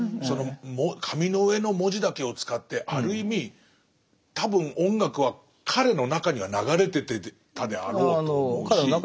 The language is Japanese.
その紙の上の文字だけを使ってある意味多分音楽は彼の中には流れてたであろうと思うし。